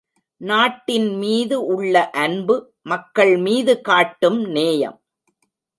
நாட்டின்மீது உள்ள அன்பு மக்கள்மீது காட்டும் நேயம்.